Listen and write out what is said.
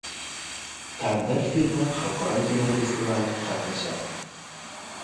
“Tandir” filmi xalqaro kinofestivalda qatnashadi